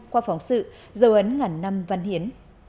qua phóng sự dấu ấn ngàn năm văn hiến